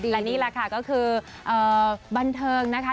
และนี่แหละค่ะก็คือบันเทิงนะคะ